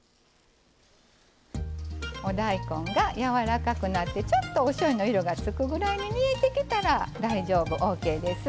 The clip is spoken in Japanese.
お大根が、やわらかくなってちょっと、おしょうゆの色がつくぐらい煮えてきたら大丈夫、オーケーです。